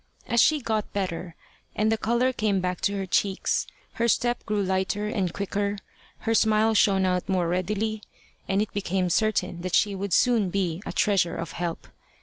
As she got better, and the colour came back to her cheeks, her step grew lighter and quicker, her smile shone out more readily, and it became certain that she would soon be a treasure of help.